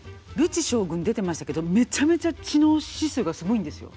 将軍出てましたけどメッチャメチャ知能指数がすごいんですよ。